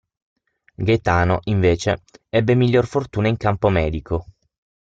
Gaetano, invece, ebbe miglior fortuna in campo medico.